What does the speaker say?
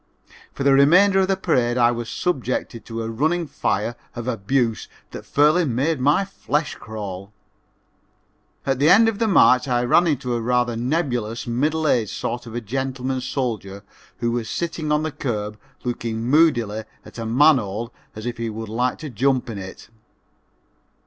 For the remainder of the parade I was subjected to a running fire of abuse that fairly made my flesh crawl. At the end of the march I ran into a rather nebulous, middle aged sort of a gentleman soldier who was sitting on the curb looking moodily at a manhole as if he would like to jump in it.